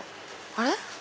あれ？